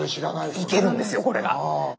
いけるんですよこれが。